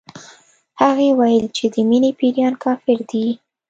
هغې ويل چې د مينې پيريان کافر دي